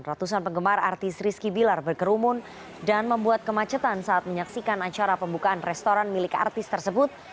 ratusan penggemar artis rizky bilar berkerumun dan membuat kemacetan saat menyaksikan acara pembukaan restoran milik artis tersebut